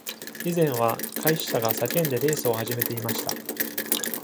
以前は、開始者が叫んでレースを始めていました。